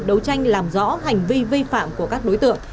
đấu tranh làm rõ hành vi vi phạm của các đối tượng